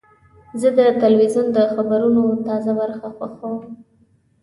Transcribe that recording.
زه د تلویزیون د خبرونو تازه برخه خوښوم.